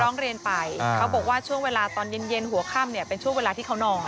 ร้องเรียนไปเขาบอกว่าช่วงเวลาตอนเย็นหัวค่ำเนี่ยเป็นช่วงเวลาที่เขานอน